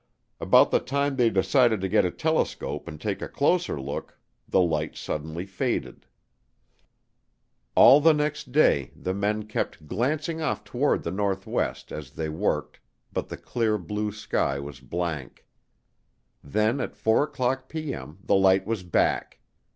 About the time they decided to get a telescope and take a closer look the light suddenly faded. All the next day the men kept glancing off toward the northwest as they worked but the clear blue sky was blank. Then, at 4:00P.M., the light was back.